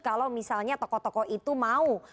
kalau misalnya tokoh tokoh itu mau